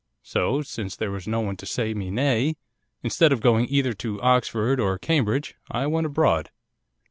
So, since there was no one to say me nay, instead of going either to Oxford or Cambridge, I went abroad.